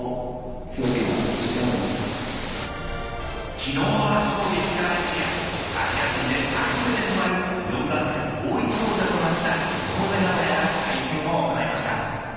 昨日の圧勝劇から一夜アジア人で初めてとなる４団体統一王者となった井上尚弥が会見を行いました。